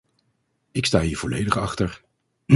Ik sta hier volledig achter.